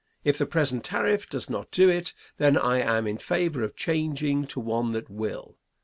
If the present tariff does not do it, then I am in favor of changing to one that will.